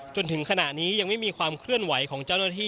จนถึงขณะนี้ยังไม่มีความเคลื่อนไหวของเจ้าหน้าที่